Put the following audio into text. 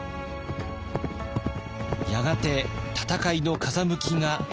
やがて戦いの風向きが変わります。